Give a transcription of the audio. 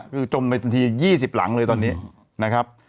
คือจมไปจนทียังยี่สิบหลังเลยตอนนี้นะครับ